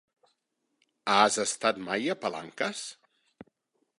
Has estat mai a Palanques?